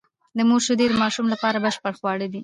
د مور شېدې د ماشوم لپاره بشپړ خواړه دي.